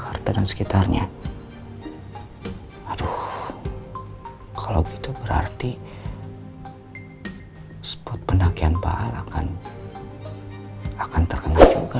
harta dan sekitarnya aduh kalau gitu berarti spot pendakian pahala akan akan terkena juga